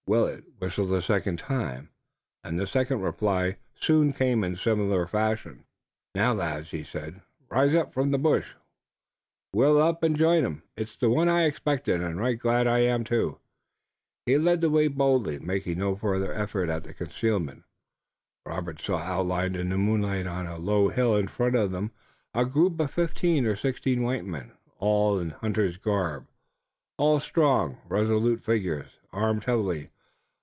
Willet whistled a second time, and the second reply soon came in similar fashion. "Now, lads," he said, rising from the bush, "we'll up and join 'em. It's the one I expected, and right glad I am, too." He led the way boldly, making no further effort at concealment. Robert saw outlined in the moonlight on a low hill in front of them a group of fifteen or sixteen white men, all in hunter's garb, all strong, resolute figures, armed heavily.